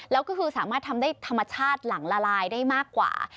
แล้วก็คือสามารถทำได้ธรรมชาติหลังละลายได้มากกว่า